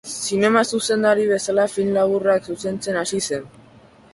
Zinema zuzendari bezala film laburrak zuzentzen hasi zen.